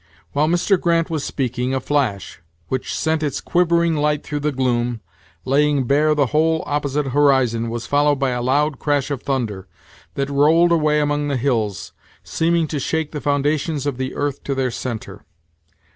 While Mr. Grant was speaking, a flash, which sent its quivering light through the gloom, laying bare the whole opposite horizon, was followed by a loud crash of thunder, that rolled away among the hills, seeming to shake the foundations of the earth to their centre.